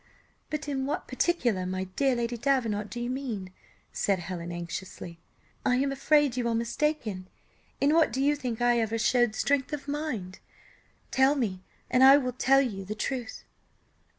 "But in what particular, my dear Lady Davenant, do you mean?" said Helen, anxiously; "I am afraid you are mistaken; in what do you think I ever showed strength of mind? Tell me, and I will tell you the truth."